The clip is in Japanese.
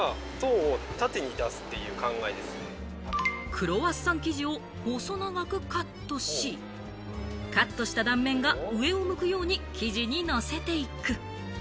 クロワッサン生地を細長くカットし、カットした断面が上を向くように生地にのせていく。